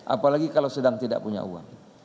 apalagi kalau sedang tidak punya uang